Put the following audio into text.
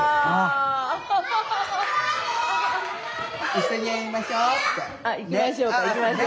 「一緒にやりましょう」って。